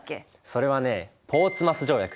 それはねポーツマス条約。